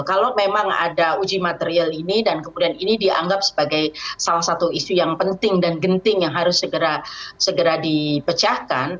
kalau memang ada uji material ini dan kemudian ini dianggap sebagai salah satu isu yang penting dan genting yang harus segera dipecahkan